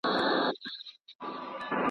تارونه د احساس د ربابونو څه لـــــــــــه چېړې